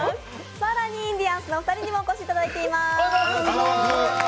更にインディアンスのお二人にもお越しいただいています。